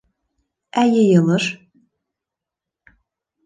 Ә йыйылыш?!